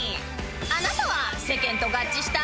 ［あなたは］